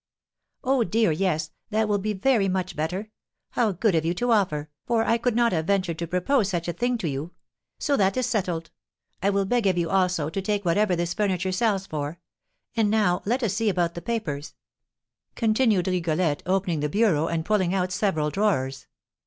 "Oh, dear, yes, that will be very much better! How good of you to offer, for I could not have ventured to propose such a thing to you! So that is settled; I will beg of you, also, to take whatever this furniture sells for. And now let us see about the papers," continued Rigolette, opening the bureau and pulling out several drawers.